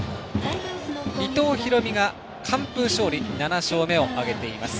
伊藤大海が完封勝利、７勝目を挙げています。